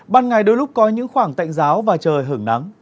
ban ngày đôi lúc có những khoảng tạnh giáo và trời hưởng nắng